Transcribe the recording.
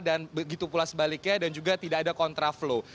dan begitu pula sebaliknya dan juga tidak ada kontra flow